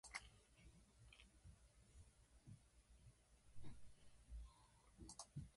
もちろん、この男はただの使者であり、自分が運ぶように命じられた手紙の内容を知らなかったが、